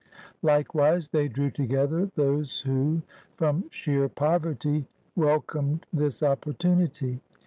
Likewise they drew together those who, from sheer poverty, welcomed this opportimity.